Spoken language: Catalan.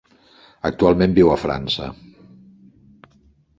Actualment viu a França.